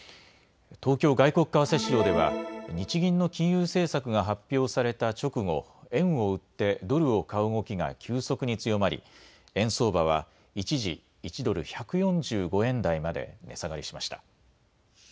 東京外国為替市場では日銀の金融政策が発表された直後、円を売ってドルを買う動きが急速に強まり円相場は一時１ドル１４５円台まで値下がりしました。